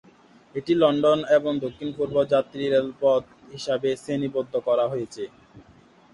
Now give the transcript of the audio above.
এটি লন্ডন এবং দক্ষিণ-পূর্ব যাত্রী রেলপথ হিসাবে শ্রেণীবদ্ধ করা হয়েছে।